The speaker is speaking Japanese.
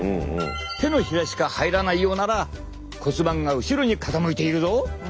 手のひらしか入らないようなら骨盤が後ろに傾いているぞ！